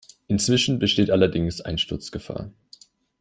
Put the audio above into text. Inzwischen besteht allerdings Einsturzgefahr.